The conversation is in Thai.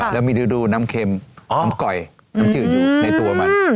แล้วมีฤดูน้ำเค็มน้ำก่อยน้ำจืดอยู่ในตัวมัน